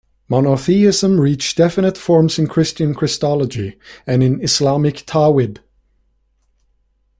Monotheism reached definite forms in Christian Christology and in Islamic Tawhid.